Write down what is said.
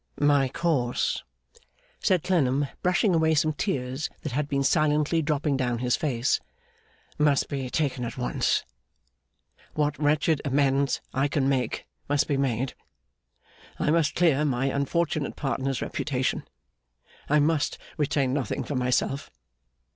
'My course,' said Clennam, brushing away some tears that had been silently dropping down his face, 'must be taken at once. What wretched amends I can make must be made. I must clear my unfortunate partner's reputation. I must retain nothing for myself.